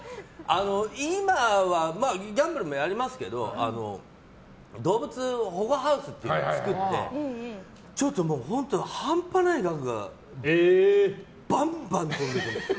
今はギャンブルもやりますけど動物保護ハウスを作ってちょっと本当、半端ない額がバンバン出て行くんですよ。